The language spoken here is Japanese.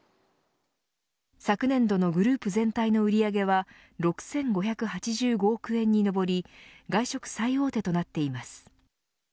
昨年度のグループ全体の売り上げは６５８５億円に上り外食最大手となっています。